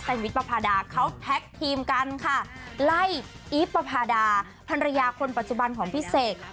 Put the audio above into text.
วิทย์ประพาดาเขาแท็กทีมกันค่ะไล่อีฟปภาดาภรรยาคนปัจจุบันของพี่เสก